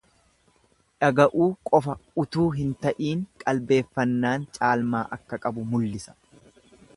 Dhaga'uu qofa utuu hin ta'iin qalbeeffannaan caalmaa akka qabu mullisa.